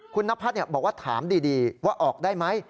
คุณนพัฒน์บอกว่าถามดีว่าออกได้ไหม